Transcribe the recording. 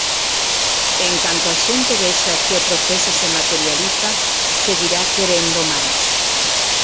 En canto a xente vexa que o proceso se materializa, seguirá querendo máis.